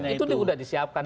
itu udah disiapkan pak